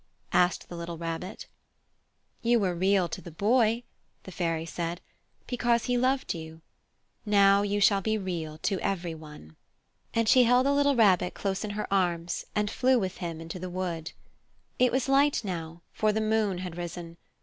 asked the little Rabbit. "You were Real to the Boy," the Fairy said, "because he loved you. Now you shall be Real to every one." The Fairy Flower And she held the little Rabbit close in her arms and flew with him into the wood. It was light now, for the moon had risen.